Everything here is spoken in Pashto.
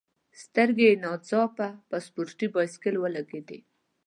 سترګي یې نا ځاپه په سپورټي بایسکل ولګېدې.